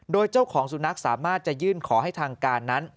โดยเจ้าของสุนัขสามารถจะยื่นขอให้ทางการนั้น